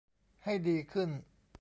ให้ดีขึ้น